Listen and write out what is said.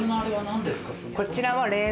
こちらは。